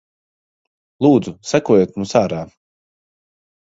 Lūdzu sekojiet mums ārā.